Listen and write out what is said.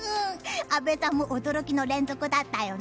阿部さんも驚きの連続だったよね。